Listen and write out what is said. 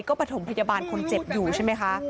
ก็ประถมพยาบาลคนเจ็บอยู่ใช่ไหมคะ